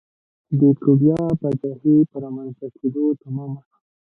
د کیوبا پاچاهۍ په رامنځته کېدو تمام شو.